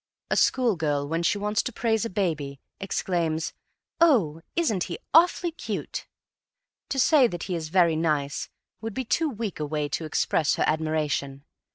A school girl, when she wants to praise a baby, exclaims: "Oh, isn't he awfully cute!" To say that he is very nice would be too weak a way to express her admiration.